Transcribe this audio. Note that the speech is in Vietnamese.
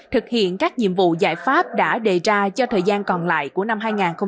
thực hiện các nhiệm vụ giải pháp đã đề ra cho thời gian còn lại của năm hai nghìn hai mươi